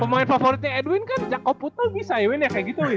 pemain favoritnya edwin kan jakob putel bisa ya winn ya kayak gitu winn